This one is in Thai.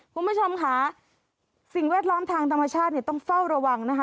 คุณผู้ชมค่ะสิ่งแวดล้อมทางธรรมชาติเนี่ยต้องเฝ้าระวังนะคะ